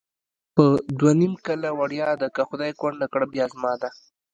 په دوه نیم کله وړیا ده، که خدای کونډه کړه بیا زما ده